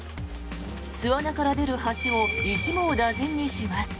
巣穴から出る蜂を一網打尽にします。